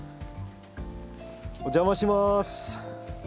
お邪魔します。